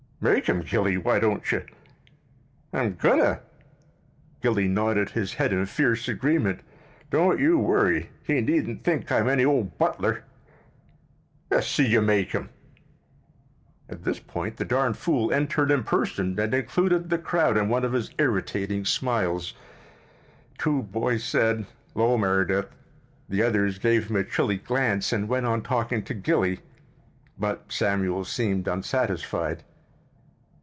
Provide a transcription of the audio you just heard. "Make him, Gilly, why don't you?" "I'm going to." Gilly nodded his head in fierce agreement. "Don't you worry. He needn't think I'm any ole butler." "Le's see you make him." At this point the darn fool entered in person and included the crowd in one of his irritating smiles. Two boys said, "'Lo, Mer'dith"; the others gave him a chilly glance and went on talking to Gilly. But Samuel seemed unsatisfied.